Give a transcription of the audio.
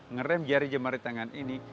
ngerem jari jemari tangan ini